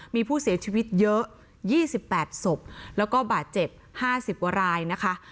มีผู้เสียชีวิตเยอะ๒๘ศพแล้วก็บาดเจ็บ๕๐กว่ารายนะคะ